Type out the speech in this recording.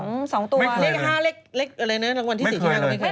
ไม่เคยหรอมี๕เร็กอะไรเร็กรางวัลที่๔ไม่เคยหรอคะ